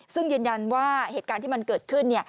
ซึ่งยืนยันว่าเหตุการณ์ที่มันเกิดขึ้น